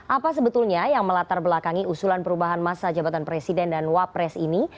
apa sebetulnya yang melatar belakangi usulan perubahan masa jabatan presiden dan wapres ini